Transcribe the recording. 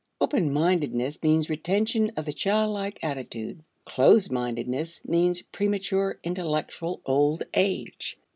Open mindedness means retention of the childlike attitude; closed mindedness means premature intellectual old age.